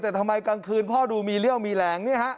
แต่ทำไมกลางคืนพ่อดูมีเรี่ยวมีแรง